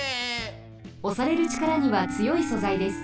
おされるちからにはつよい素材です。